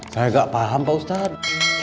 saya nggak paham pak ustadz